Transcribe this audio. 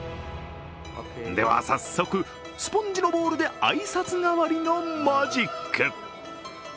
では、早速、スポンジのボールで挨拶代わりのマジック。